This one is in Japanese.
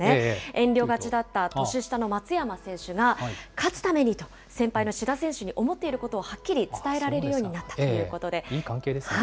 遠慮がちだった年下の松山選手が、勝つためにと、先輩の志田選手に思っていることをはっきり伝えられるようになっいい関係ですね。